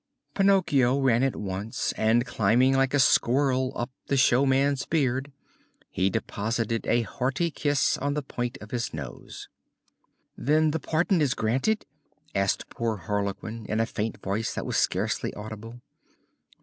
Pinocchio ran at once and, climbing like a squirrel up the showman's beard, he deposited a hearty kiss on the point of his nose. "Then the pardon is granted?" asked poor Harlequin in a faint voice that was scarcely audible.